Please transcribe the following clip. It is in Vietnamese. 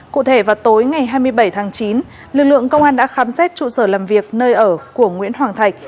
cụ thể vào tối ngày hai mươi bảy tháng chín lực lượng công an đã khám xét trụ sở làm việc nơi ở của nguyễn hoàng thạch